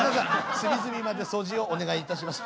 隅々まで掃除をお願いいたします。